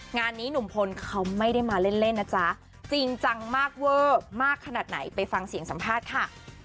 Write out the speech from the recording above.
งานนี้หนุ่มพลเขาไม่ได้มาเล่นนะจ๊ะจริงจังมากเวอร์มากขนาดไหนไปฟังเสียงสัมภาษณ์ค่ะ